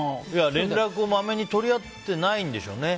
連絡をまめに取り合ってないんでしょうね。